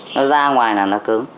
nó ra ngoài là nó cứng